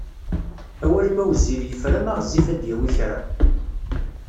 Awal ma wezzil yefra ma ɣezzif ad d-yawi kra.